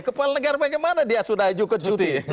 kepala negara bagaimana dia sudah kecuti